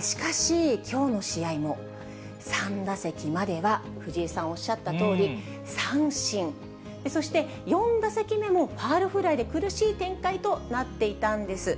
しかし、きょうの試合も、３打席までは藤井さんおっしゃったとおり、三振、そして４打席目もファウルフライで苦しい展開となっていたんです。